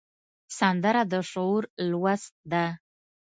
سندره د شعور لوست ده